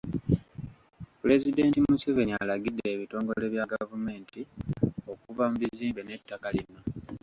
Pulezidenti Museveni alagidde ebitongole bya gavumenti okuva mu bizimbe ne ttaka lino.